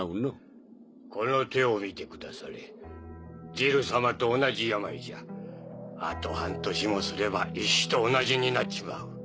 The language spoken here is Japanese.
この手を見てくだされジル様と同じ病じゃあと半年もすれば石と同じになっちまう。